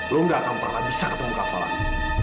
lo nggak akan pernah bisa ketemu kafa lagi